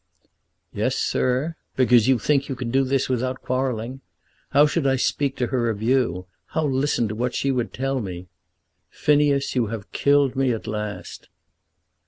"Yes, sir; because you think you can do this without quarrelling. How should I speak to her of you; how listen to what she would tell me? Phineas, you have killed me at last."